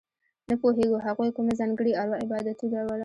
نه پوهېږو هغوی کومه ځانګړې اروا عبادتوله.